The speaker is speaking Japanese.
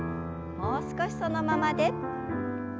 もう少しそのままで。